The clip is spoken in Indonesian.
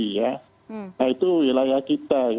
nah itu wilayah kita